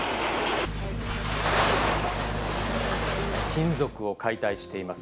金属を解体しています。